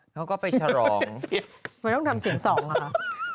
เค้าก็ไปฉรองไม่ต้องทำเสียงส่องขอ